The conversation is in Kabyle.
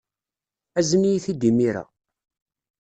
Azen-iyi-t-id imir-a.